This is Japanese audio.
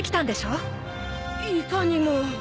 いかにも。